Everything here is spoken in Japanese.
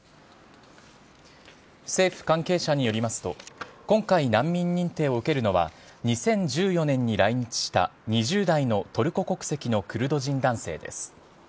政府関係者によりますと、今回、難民認定を受けるのは、２０１４年に来日した２０代のトルコ国籍のクルド人男性です。